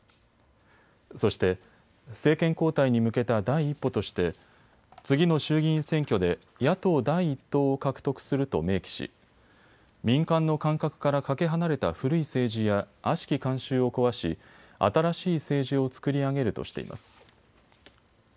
そして、政権交代に向けた第一歩として次の衆議院選挙で野党第１党を獲得すると明記し民間の感覚からかけ離れた古い政治やあしき慣習を壊し新しい政治を創り上げるとしています。